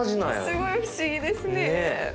すごい不思議ですね。